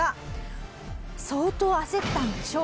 相当焦ったんでしょう。